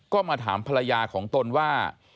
ก็มาถามภรรยาของตนว่า